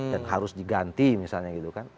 dan harus diganti misalnya gitu kan